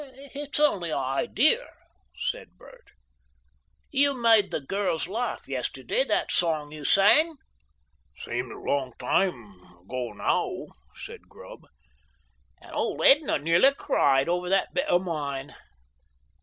"It's only an ideer," said Bert. "You made the girls laugh yestiday, that song you sang." "Seems a long time ago now," said Grubb. "And old Edna nearly cried over that bit of mine."